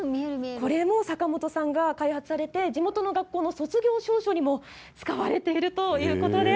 これも坂元さんが開発されて地元の学校の卒業証書にも使われているということです。